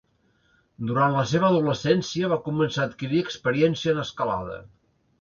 Durant la seva adolescència va començar a adquirir experiència en escalada.